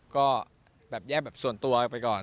ก็แบบแยกแบบส่วนตัวไปก่อน